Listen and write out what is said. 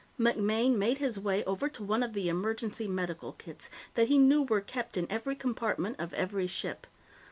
MacMaine made his way over to one of the emergency medical kits that he knew were kept in every compartment of every ship.